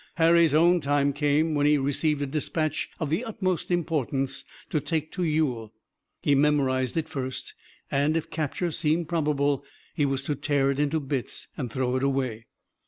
Harry's own time came, when he received a dispatch of the utmost importance to take to Ewell. He memorized it first, and, if capture seemed probable, he was to tear it into bits and throw it away.